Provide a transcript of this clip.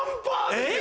えっ！